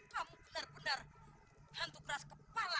kamu benar benar hantu keras kepala